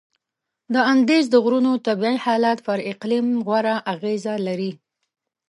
د اندیز د غرونو طبیعي حالت پر اقلیم غوره اغیزه لري.